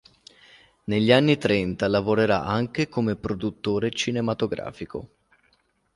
Negli anni trenta lavorerà anche come produttore cinematografico.